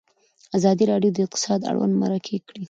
ازادي راډیو د اقتصاد اړوند مرکې کړي.